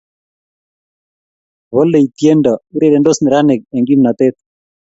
Bolei tiendo urerendos nenarik eng kimnatet